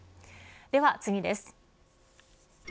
では次です。